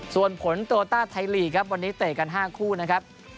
ส่วนผลโตต้าไทยลีกครับวันนี้เตะกัน๕คู่นะครับ